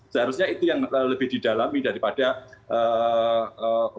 seharusnya itu yang lebih didalami daripada korban